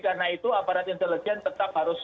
karena itu aparat intelijen tetap harus